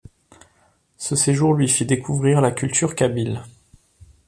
Ce séjour lui fit découvrir la culture kabyle.